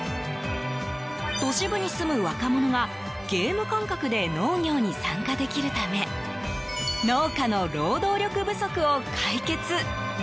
都市部に住む若者がゲーム感覚で農業に参加できるため農家の労働力不足を解決。